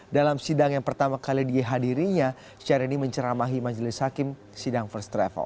dalam sidang yang pertama kali dihadirinya syahrini menceramai majelis hakim sidang first travel